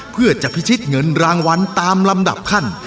เพื่อจะพิชิตเงินรางวัลตามลำดับขั้น